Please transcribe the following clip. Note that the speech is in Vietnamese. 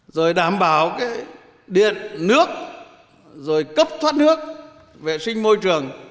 rồi đảm bảo cái điện nước rồi cấp thoát nước vệ sinh môi trường